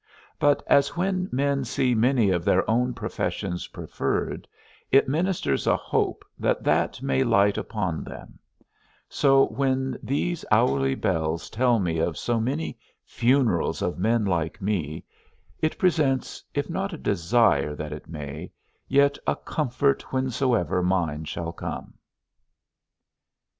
But as when men see many of their own professions preferred, it ministers a hope that that may light upon them; so when these hourly bells tell me of so many funerals of men like me, it presents, if not a desire that it may, yet a comfort whensoever mine shall come.